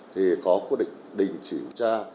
thì có quy định chỉnh tra